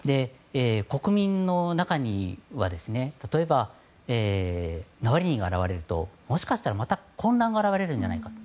国民の中には例えば、ナワリヌイが現れるともしかしたら、また混乱が現れるんじゃないかと。